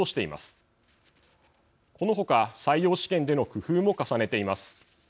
この他採用試験での工夫も重ねています。